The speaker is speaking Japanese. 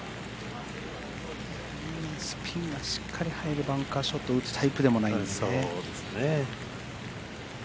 スピンがしっかり入るバンカーショットを打つタイプでもないですよね。